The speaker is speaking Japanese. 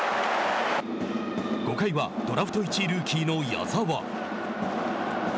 ５回は、ドラフト１位ルーキーの矢澤。